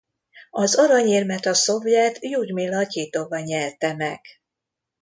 Az aranyérmet a szovjet Ljudmila Tyitova nyerte meg.